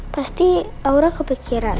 pasti aura kepikiran